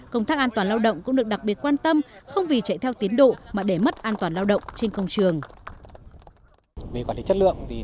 công tác an toàn lao động cũng được đặc biệt quan tâm không vì chạy theo tiến độ mà để mất an toàn lao động trên công trường